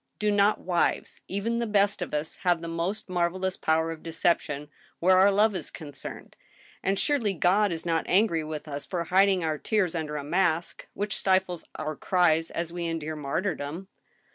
Do not wives, even the best of us, have the most man^elous power of decep tion where our love is concerned, and surely God is not angry with us for hiding our tears under a mask, which stifles our cries as we endure martyrdom